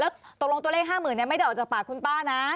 แล้วตกลงตัวเลขห้าหมื่นเนี่ยไม่ได้ออกจากปากคุณป้านะ